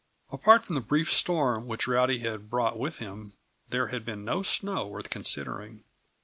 Apart from the brief storm which Rowdy had brought with him, there had been no snow worth considering.